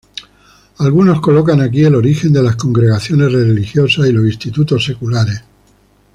Algunos colocan aquí el origen de las Congregaciones religiosas y los institutos seculares.